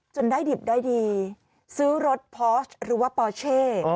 ได้ดิบได้ดีซื้อรถพอร์สหรือว่าปอเช่